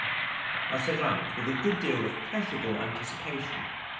I set out with a good deal of pleasurable anticipation.